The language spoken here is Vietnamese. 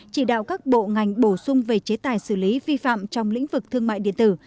chỉ đạo các bộ ngành bổ sung về chế tài xử lý vi phạm trong lĩnh vực thương mại điện tử